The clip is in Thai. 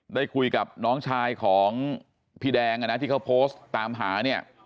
ได้คุยกับน้องชายของพี่แดงที่เขาโพสต์ตามหาเนี่ย